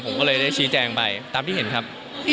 ผมก็เลยได้ชี้แจงไปตามที่เห็นครับ